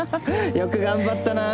よく頑張ったなぁ！